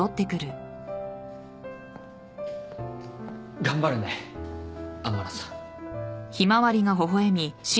頑張るね天野さん。